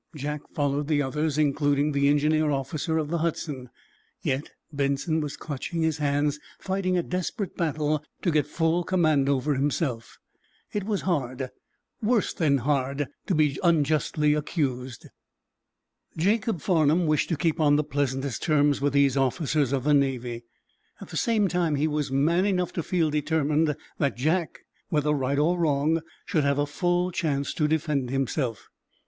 Jack followed the others, including the engineer officer of the "Hudson." Yet Benson was clenching his hands, fighting a desperate battle to get full command over himself. It was hard—worse than hard—to be unjustly accused. Jacob Farnum wished to keep on the pleasantest terms with these officers of the Navy. At the same time he was man enough to feel determined that Jack, whether right or wrong, should have a full chance to defend himself.